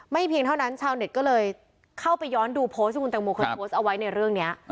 เพียงเท่านั้นชาวเน็ตก็เลยเข้าไปย้อนดูโพสต์ที่คุณแตงโมเคยโพสต์เอาไว้ในเรื่องนี้